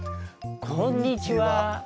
こんにちは。